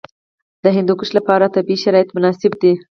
د هندوکش لپاره طبیعي شرایط مناسب دي.